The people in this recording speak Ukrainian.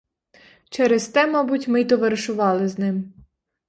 Через те, мабуть, ми й товаришували з ним.